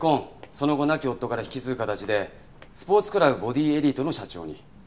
その後亡き夫から引き継ぐ形でスポーツクラブボディエリートの社長に。